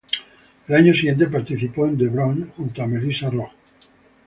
El año siguiente participó en "The Bronce" junto a Melissa Rauch.